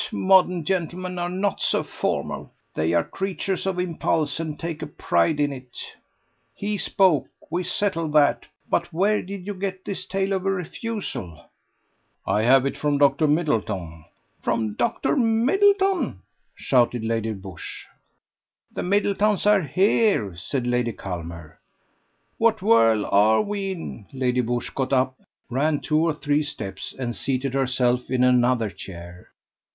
Modern gentlemen are not so formal; they are creatures of impulse and take a pride in it. He spoke. We settle that. But where did you get this tale of a refusal?" "I have it from Dr. Middleton." "From Dr. Middleton?" shouted Lady Busshe. "The Middletons are here," said Lady Culmer. "What whirl are we in?" Lady Busshe got up, ran two or three steps and seated herself in another chair.